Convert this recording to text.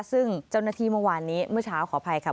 ซึ่งเจ้าหน้าที่เมื่อวานนี้เมื่อเช้าขออภัยค่ะ